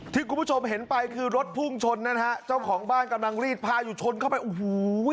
ที่คุณผู้ชมเห็นไปคือรถพุ่งชนนะฮะเจ้าของบ้านกำลังรีดพาอยู่ชนเข้าไปโอ้โห